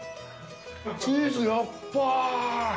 チーズやっばぁ！